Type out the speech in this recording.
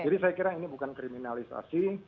jadi saya kira ini bukan kriminalisasi